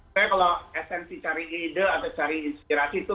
sebenarnya kalau snc cari ide atau cari inspirasi itu